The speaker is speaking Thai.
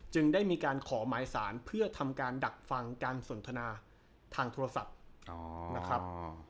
ได้มีการขอหมายสารเพื่อทำการดักฟังการสนทนาทางโทรศัพท์นะครับ